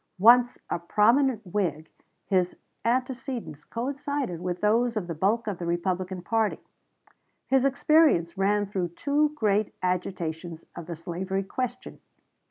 Once a prominent Whig, his antecedents coincided with those of the bulk of the Republican party. His experience ran through two great agitations of the slavery question.